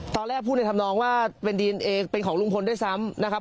ตอนแรกพูดในธรรมนองว่าเป็นดีเอนเอเป็นของลุงพลด้วยซ้ำนะครับ